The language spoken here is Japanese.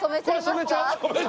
染めちゃう？